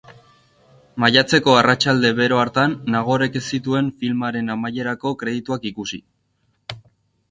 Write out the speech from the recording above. Maiatzeko arratsalde bero hartan Nagorek ez zituen filmaren amaierako kredituak ikusi.